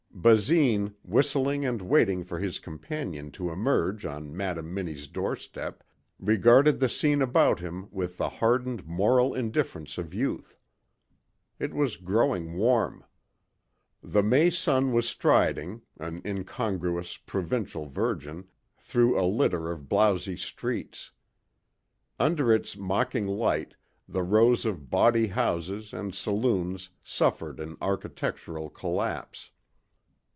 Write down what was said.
Basine, whistling and waiting for his companion to emerge on Madam Minnie's doorstep, regarded the scene about him with the hardened moral indifference of youth. It was growing warm. The May sun was striding, an incongruous, provincial virgin, through a litter of blowzy streets. Under its mocking light the rows of bawdy houses and saloons suffered an architectural collapse.